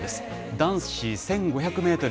男子１５００メートル